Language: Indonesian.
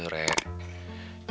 bukan gitu re